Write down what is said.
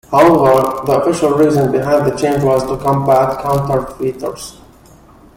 However the official reason behind the change was to combat counterfeiters.